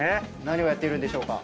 何をやっているんでしょうか？